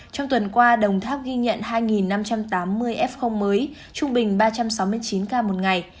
trong tuần qua đồng tháp ghi nhận hai năm trăm tám mươi f mới